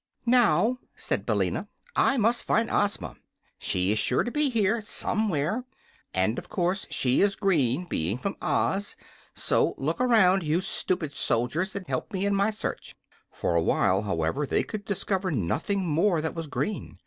"Now," said Billina, "I must find Ozma. She is sure to be here, somewhere, and of course she is green, being from Oz. So look around, you stupid soldiers, and help me in my search." For a while, however, they could discover nothing more that was green.